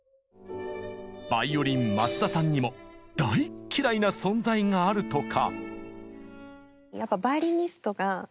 バイオリン松田さんにも大っ嫌いな存在があるとか。